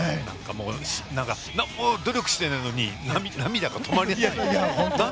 何も努力してないのに涙が止まらない。